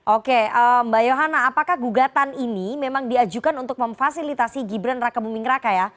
oke mbak yohana apakah gugatan ini memang diajukan untuk memfasilitasi gibran rakebumingraka ya